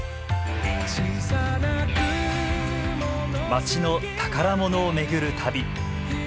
街の宝物を巡る旅。